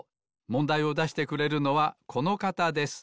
もんだいをだしてくれるのはこのかたです。